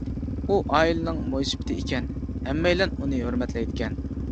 ئۇ ئائىلىنىڭ مويسىپىتى ئىكەن، ھەممەيلەن ئۇنى ھۆرمەتلەيدىكەن.